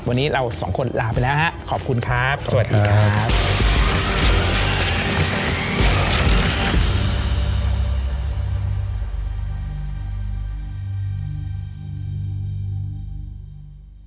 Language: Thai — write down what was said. โปรดติดตามตอนต่อไป